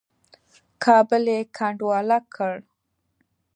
کابل یې کنډواله کړ.